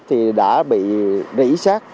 thì đã bị rỉ sát